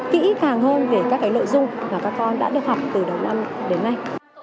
kỹ càng hơn về các cái lợi dụng mà các con đã được học từ đầu năm đến nay